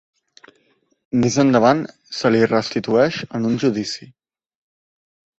Més endavant se li restitueix en un judici.